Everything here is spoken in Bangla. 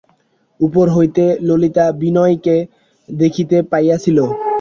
উপর হইতে ললিতা বিনয়কে দেখিতে পাইয়াছিল।